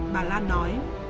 bà lan nói